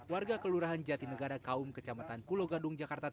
warga kelurahan jatinegara kaum kecamatan pulau gadung jakarta